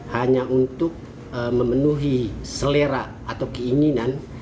hanya untuk memenuhi selera atau keinginan